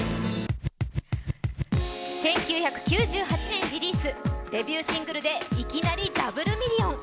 １９９８年リリース、デビューシングルでいきなりダブルミリオン。